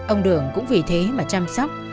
ông đường cũng vì thế mà chăm sóc